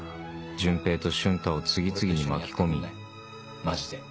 潤平と瞬太を次々に巻き込みマジで。